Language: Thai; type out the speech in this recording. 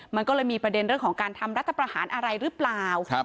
มันก็เลยมีประเด็นเรื่องของการทำรัฐประหารอะไรหรือเปล่า